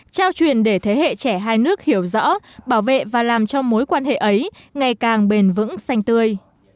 trao truyền để thế hệ trẻ hai nước hiểu rõ bảo vệ và làm cho mối quan hệ ấy ngày càng bền vững xanh tươi